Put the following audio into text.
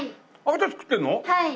はい。